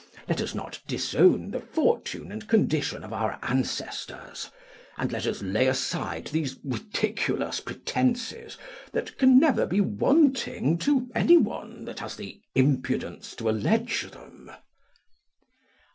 Let us not disown the fortune and condition of our ancestors, and let us lay aside these ridiculous pretences, that can never be wanting to any one that has the impudence to allege them."